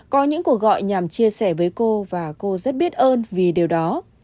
có những cuộc gọi nhằm chia sẻ với cô và cô rất biết ơn vì điều đó